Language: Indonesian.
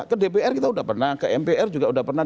ke dpr kita udah pernah ke mpr juga udah pernah